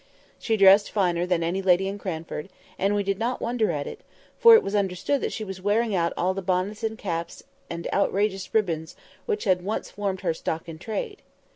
She dressed finer than any lady in Cranford; and we did not wonder at it; for it was understood that she was wearing out all the bonnets and caps and outrageous ribbons which had once formed her stock in trade.